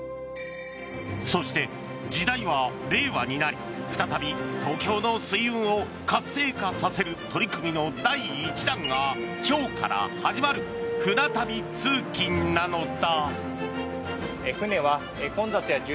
そして、時代は令和になり再び東京の水運を活性化させる取り組みの第１弾が今日から始まる舟旅通勤なのだ。